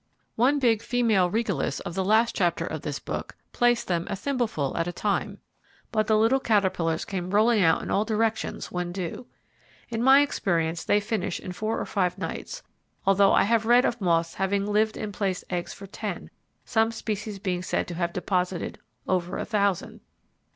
One big female Regalis of the last chapter of this book placed them a thimbleful at a time; but the little caterpillars came rolling out in all directions when due. In my experience, they finish in four or five nights, although I have read of moths having lived and placed eggs for ten, some species being said to have deposited over a thousand.